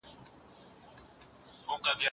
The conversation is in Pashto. اقتصادي وده پرته له اقتصادي پرمختيا ممکنه ده.